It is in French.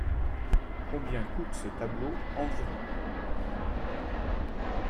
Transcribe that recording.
Combien coûte ce tableau environ ?